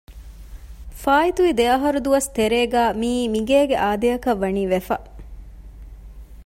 ފާއިތުވި ދެއަހަރު ދުވަސް ތެރޭގައި މިއީ މިގޭގެ އާދައަކަށް ވަނީ ވެފަ